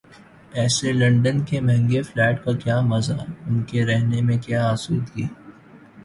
ایسے لندن کے مہنگے فلیٹ کا کیا مزہ، ان کے رہنے میں کیا آسودگی؟